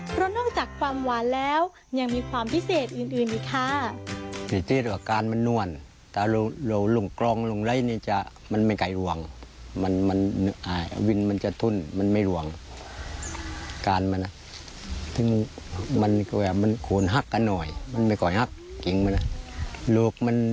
เพราะนอกจากความหวานแล้วยังมีความพิเศษอื่นอีกค่ะ